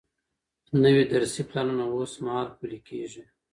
نوي درسي پلانونه اوس مهال پلي کیږي.